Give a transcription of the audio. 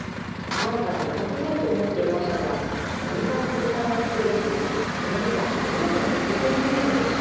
前から行かせたいと思っていましたがお迎えの時間が作れずこの日が初めての体験入園でした。